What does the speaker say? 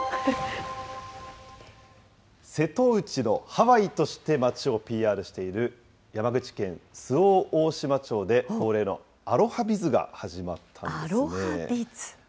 瀬戸内のハワイとして町をＰＲしている、山口県周防大島町で、恒例のアロハビズが始まったんでアロハビズ？